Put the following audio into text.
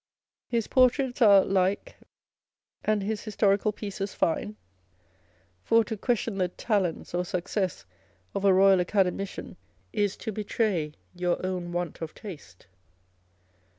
His portraits are like, and his historical pieces fine ; for to question the talents or success of a Royal Academician is to betray your own want of taste.